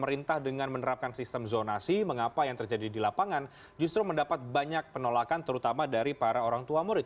pemerintah dengan menerapkan sistem zonasi mengapa yang terjadi di lapangan justru mendapat banyak penolakan terutama dari para orang tua murid